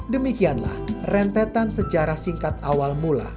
demikianlah rentetan sejarah singkat awal mula